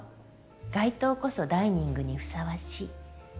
街灯こそダイニングにふさわしい。